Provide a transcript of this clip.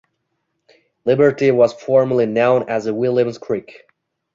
Liberty was formerly known as Williams Creek.